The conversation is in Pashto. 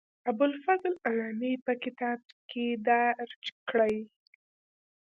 ابوالفضل علامي په کتاب کې درج کړې.